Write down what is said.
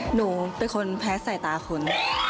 หนูเป็นคนแพ้ใส่ตาคุณ